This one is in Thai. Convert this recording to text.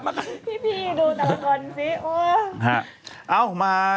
จากธนาคารกรุงเทพฯ